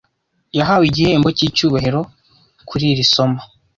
yahawe igihembo cyicyubahiro kuri iri somo